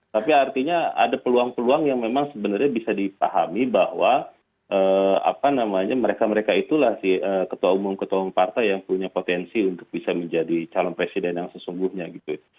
tapi artinya ada peluang peluang yang memang sebenarnya bisa dipahami bahwa mereka mereka itulah si ketua umum ketua umum partai yang punya potensi untuk bisa menjadi calon presiden yang sesungguhnya gitu ya